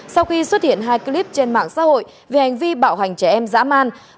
sau khi xuất hiện hai clip trên mạng xã hội về hành vi bạo hành trẻ em dã man